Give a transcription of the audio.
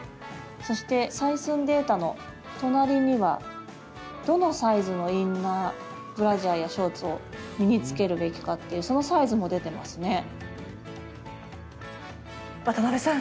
そして、採寸データの隣にはどのサイズのインナーブラジャーやショーツを身に着けるべきかっていうそのサイズも出ていますね。